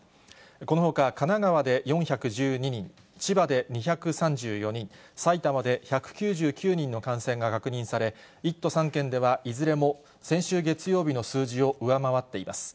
このほか神奈川で４１２人、千葉で２３４人、埼玉で１９９人の感染が確認され、１都３県ではいずれも先週月曜日の数字を上回っています。